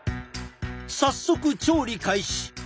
早速調理開始。